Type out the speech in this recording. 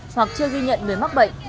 hoặc chưa ghi nhận người mắc bệnh